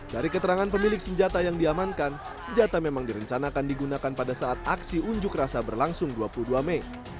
dari keterangan pemilik senjata yang diamankan senjata memang direncanakan digunakan pada saat aksi unjuk rasa berlangsung dua puluh dua mei